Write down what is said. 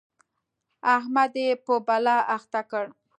احمد يې په بلا اخته کړ.